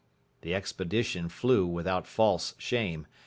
The expedition flew without false shame.